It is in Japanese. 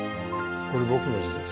これ僕の字です。